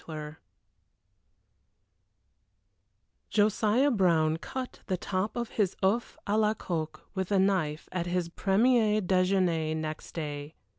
III Josiah Brown cut the top off his oeuf à la coque with a knife at his premier déjeuner next day.